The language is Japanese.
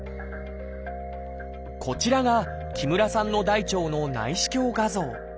こちらが木村さんの大腸の内視鏡画像。